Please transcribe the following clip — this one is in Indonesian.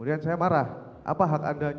alirator arah apakah goreng